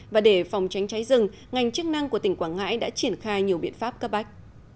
và để phòng tránh cháy rừng ngành chức năng của tỉnh quảng ngãi đã triển khai nhiều biện pháp cấp bách